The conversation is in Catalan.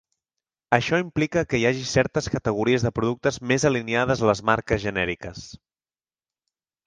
Això implica que hi hagi certes categories de productes més alineades a les marques genèriques.